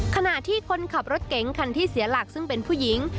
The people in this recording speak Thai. ขณะที่คนขับรถเก๋งคันที่เสียหลักซึ่งเป็นผู้หญิง